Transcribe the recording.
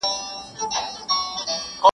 باد د غرونو غږ راوړي تل,